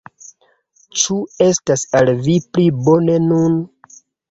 Ĉu estas al vi pli bone nun?